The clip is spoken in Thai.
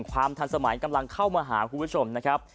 ความทันสมัยกำลังเข้ามาหาคุณผู้ชมนะครับ